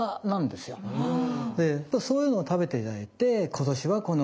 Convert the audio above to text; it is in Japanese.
でそういうのを食べて頂いて今年はこのお米。